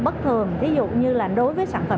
bất thường ví dụ như là đối với sản phẩm